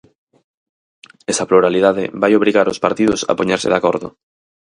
Esa pluralidade vai obrigar os partidos a poñerse de acordo.